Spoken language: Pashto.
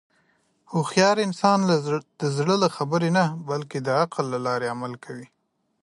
هوښیار انسان د زړه له خبرې نه، بلکې د عقل له لارې عمل کوي.